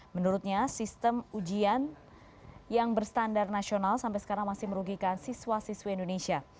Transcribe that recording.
menurutnya sistem ujian yang berstandar nasional sampai sekarang masih merugikan siswa siswi indonesia